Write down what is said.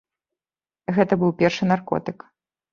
Гэта быў першы наркотык.